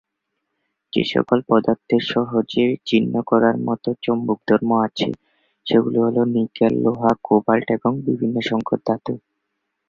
যেসকল পদার্থের সহজে চিহ্নিত করার মত চৌম্বক ধর্ম আছে সেগুলো হল নিকেল, লোহা, কোবাল্ট এবং বিভিন্ন সংকর ধাতু।